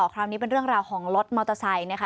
คราวนี้เป็นเรื่องราวของรถมอเตอร์ไซค์นะคะ